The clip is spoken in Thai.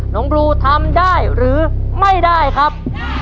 บลูทำได้หรือไม่ได้ครับ